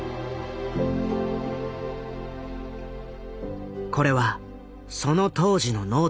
これはその当時のノートだ。